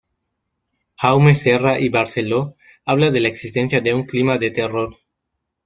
Jaume Serra y Barceló habla de la existencia de un "clima de terror.